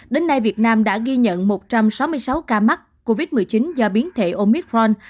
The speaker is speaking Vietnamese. đến nay việt nam đã ghi nhận một trăm sáu mươi sáu ca mắc covid một mươi chín do biến thể omicron